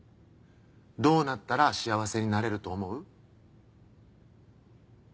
どうなったら幸せになれると思う？